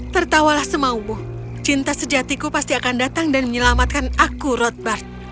tertawalah semau mu cinta sejati ku pasti akan datang dan menyelamatkan aku rothbard